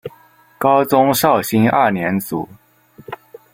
高宗绍兴二年卒。